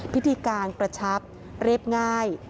พิธีการกระชับเรียบง่าย